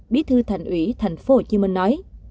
bí thư thành ủy tp hcm nói